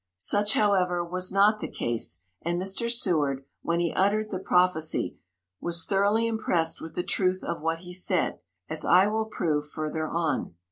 Such, however, was not the case, and Mr. Seward, when he uttered the prophecy, was thoroughly impressed with the truth of what he said, as I will prove further on.